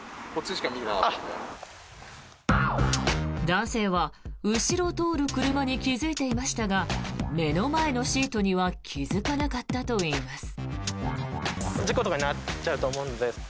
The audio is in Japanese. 男性は後ろを通る車に気付いていましたが目の前のシートには気付かなかったといいます。